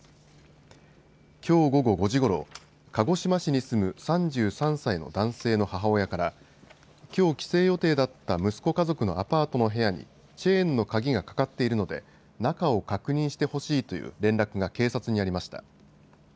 きょう午後５時ごろ鹿児島市に住む３３歳の男性の母親からきょう帰省予定だった息子家族のアパートの部屋にチェーンの鍵がかかっているので中を確認してほしいという連絡が警察にありました。